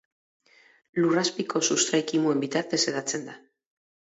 Lurrazpiko sustrai-kimuen bitartez hedatzen da.